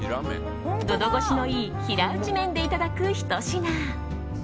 のど越しのいい平打ち麺でいただくひと品。